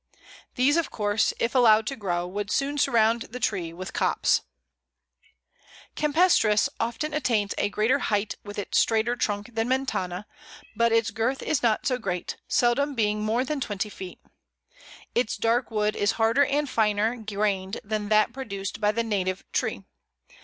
These, of course, if allowed to grow, would soon surround the tree with copse. Campestris often attains a greater height with its straighter trunk than montana, but its girth is not so great, seldom being more than twenty feet. Its dark wood is harder and finer grained than that produced by the native tree.